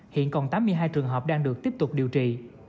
hiện còn tám mươi hai trường hợp đang được tiếp tục điều trị